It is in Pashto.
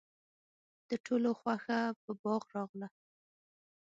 د ټولو خوښه په باغ راغله.